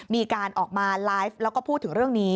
มีการออกมาไลฟ์แล้วก็พูดถึงเรื่องนี้